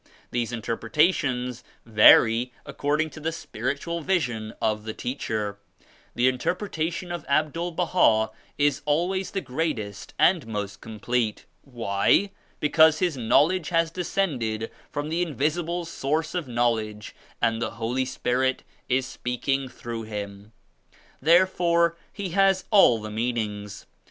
These interpreta ; tions vary according to the spiritual vision of the teacher. The interpretation of Abdul Baha is always the greatest and most complete. Why? Because his Knowledge has descended from the 103 Invisible Source of Knowledge and the Holy Spirit is speaking through him. Therefore he has all the meanings.